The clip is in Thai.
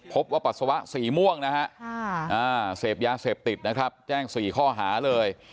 พบว่าปัสสาวะสีม่วงนะฮะเศพยาญาเศพติดนะครับแจ้งสี่ข้อหาเลย